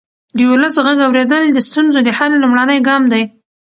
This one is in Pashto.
د ولس غږ اورېدل د ستونزو د حل لومړنی ګام دی